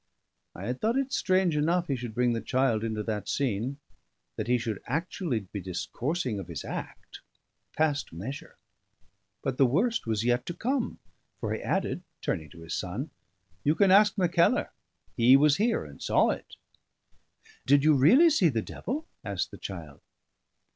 I had thought it strange enough he should bring the child into that scene; that he should actually be discoursing of his act, passed measure. But the worst was yet to come: for he added, turning to his son "You can ask Mackellar; he was here and saw it." "Did you really see the devil?" asked the child.